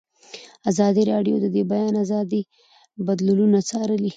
ازادي راډیو د د بیان آزادي بدلونونه څارلي.